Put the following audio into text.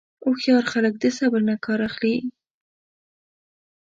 هوښیار خلک د صبر نه کار اخلي.